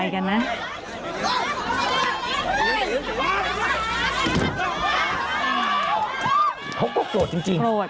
เขาก็โกรธจริง